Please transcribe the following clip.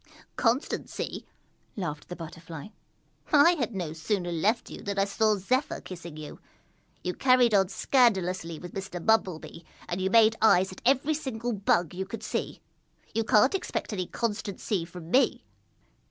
"Constancy!" laughed the Butterfly. "I had no sooner left you than I saw Zephyr kissing you. You carried on scandalously with Mr. Bumble Bee and you made eyes at every single Bug you could see. You can't expect any constancy from me!"